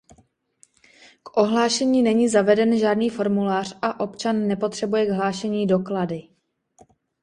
K ohlášení není zaveden žádný formulář a občan nepotřebuje k hlášení doklady.